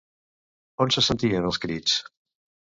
On se sentien els crits?